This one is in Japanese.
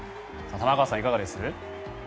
玉川さん、いかがです？